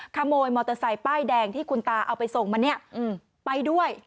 ขโมยมอเตอร์ไซค์ป้ายแดงที่คุณตาเอาไปส่งมาเนี่ยไปด้วย